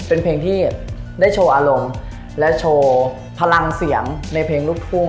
เป็นเพลงที่ได้โชว์อารมณ์และโชว์พลังเสียงในเพลงลูกทุ่ง